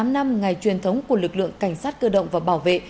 bốn mươi tám năm ngày truyền thống của lực lượng cảnh sát cơ động và bảo vệ